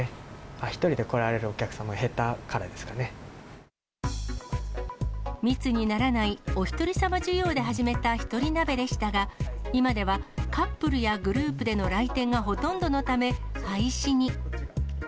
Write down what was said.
１人で来られるお客様、密にならない、おひとりさま需要で始めた一人鍋でしたが、今ではカップルやグループでの来店がほとんどのため、廃止に。